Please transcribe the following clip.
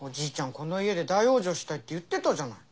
この家で大往生したいって言ってたじゃない。